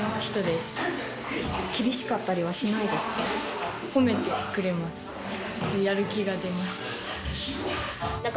厳しかったりはしないですか？